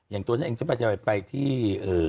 อย่างตัวนี้เองจะไปจะไปไปที่เอ่อ